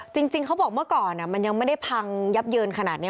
จริงเขาบอกเมื่อก่อนมันยังไม่ได้พังยับเยินขนาดนี้